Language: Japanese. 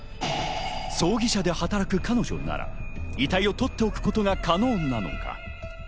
葬儀社で働く彼女なら遺体を取っておくことが可能なのか？